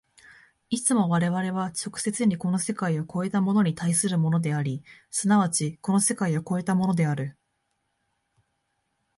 いつも我々は直接にこの世界を越えたものに対するものであり、即ちこの世界を越えたものである。